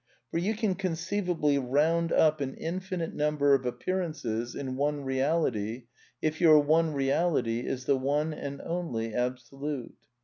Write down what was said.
For you can conceivably round up an infinite number of appearances in one Reality if your one reality is the one and only Absolute.